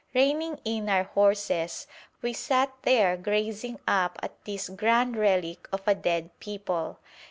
Reining in our horses, we sat there gazing up at this grand relic of a dead people.